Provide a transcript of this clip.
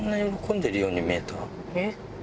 えっ？